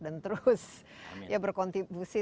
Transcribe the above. dan terus berkontribusi